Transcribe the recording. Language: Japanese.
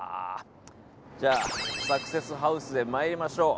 じゃあ、サクセスハウスへ参りましょう！